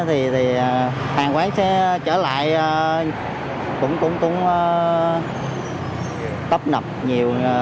thì hàng quán sẽ trở lại cũng tấp nập nhiều